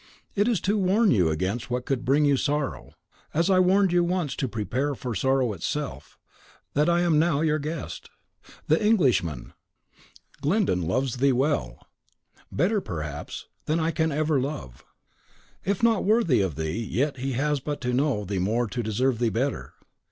It is to warn you against what could bring you but sorrow, as I warned you once to prepare for sorrow itself, that I am now your guest. The Englishman, Glyndon, loves thee well, better, perhaps, than I can ever love; if not worthy of thee, yet, he has but to know thee more to deserve thee better.